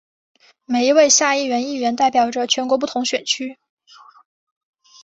每一位下议院议员代表着全国不同选区。